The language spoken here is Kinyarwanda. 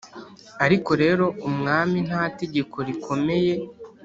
ariko rero umwami nta tegeko rikomeye